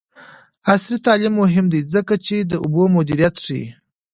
عصري تعلیم مهم دی ځکه چې د اوبو مدیریت ښيي.